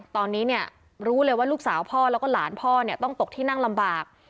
ตอนนี้เนี่ยรู้เลยว่าลูกสาวพ่อแล้วก็หลานพ่อเนี่ยต้องตกที่นั่งลำบาก